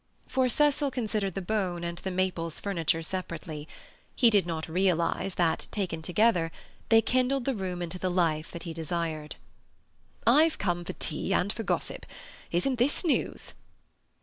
For Cecil considered the bone and the Maples' furniture separately; he did not realize that, taken together, they kindled the room into the life that he desired. "I've come for tea and for gossip. Isn't this news?"